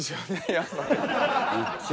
やっぱり。